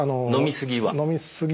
飲みすぎは？